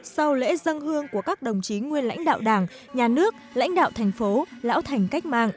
sau lễ dân hương của các đồng chí nguyên lãnh đạo đảng nhà nước lãnh đạo tp hcm